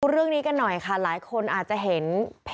เรื่องนี้กันหน่อยค่ะหลายคนอาจจะเห็น